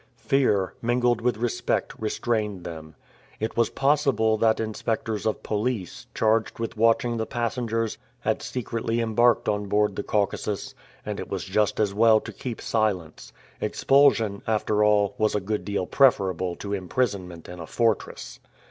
Fear, mingled with respect, restrained them. It was possible that inspectors of police, charged with watching the passengers, had secretly embarked on board the Caucasus, and it was just as well to keep silence; expulsion, after all, was a good deal preferable to imprisonment in a fortress.